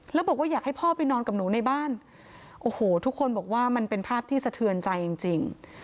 แล้วบอกว่าอยากให้พ่อไปนอนกับหนูในบ้านโอ้โหทุกคนบอกว่ามันเป็นภาพที่สะเทือนใจจริง